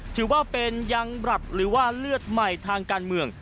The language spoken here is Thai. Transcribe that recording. ถือว่าเป็นยังบรับหรือว่าเลือดใหม่ทางการเมือง